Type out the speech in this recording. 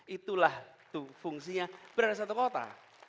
itulah fungsinya berada satu kota